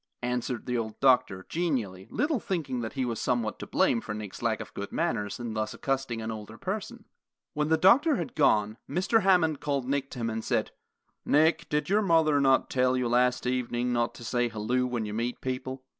answered the old doctor, genially, little thinking that he was somewhat to blame for Nick's lack of good manners in thus accosting an older person. When the doctor had gone, Mr. Hammond called Nick to him and said, "Nick, did not your mother tell you last evening not to say, 'Halloo,' when you meet people?"